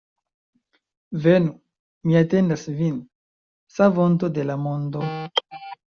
Venu, ni atendas vin, Savonto de la mondo.